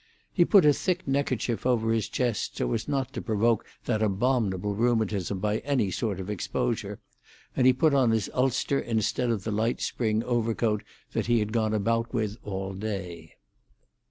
He put a thick neckerchief over his chest so as not to provoke that abominable rheumatism by any sort of exposure, and he put on his ulster instead of the light spring overcoat that he had gone about with all day.